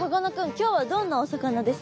今日はどんなお魚ですか？